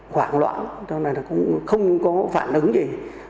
khoảng loạn không có phản ứng gì